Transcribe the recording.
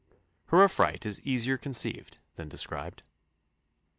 Her affright is easier conceived than described.